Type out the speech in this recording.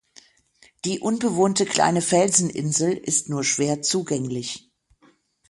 Die unbewohnte kleine Felseninsel ist nur schwer zugänglich.